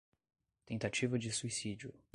tentativa de suicídio